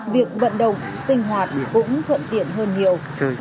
việc vận động sinh hoạt cũng thuận tiện hơn nhiều